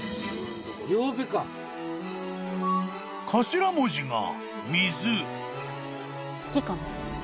［頭文字が「水」］